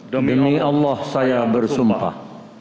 demi allah saya bersumpah